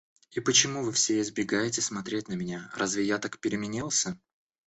И почему вы все избегаете смотреть на меня, разве я так переменился?